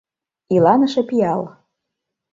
ИЛАНЫШЕ ПИАЛ